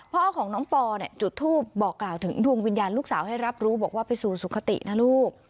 พ่อของน้องปอเนี่ยจุดทูปบอกกล่าวถึงดวงวิญญาณลูกสาวให้รับรู้บอกว่าไปสู่สุขตินะลูก